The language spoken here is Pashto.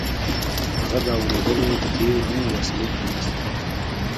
هغه د اورېدلو د دې نوې وسیلې په مرسته خوښ و